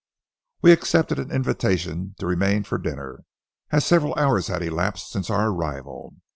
We accepted an invitation to remain for dinner, as several hours had elapsed since our arrival.